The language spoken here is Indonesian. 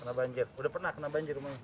kena banjir udah pernah kena banjir